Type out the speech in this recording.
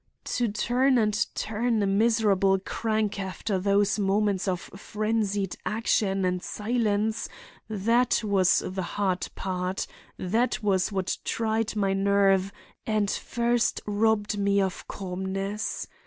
"To turn and turn a miserable crank after those moments of frenzied action and silence—that was the hard part—that was what tried my nerve and first robbed me of calmness.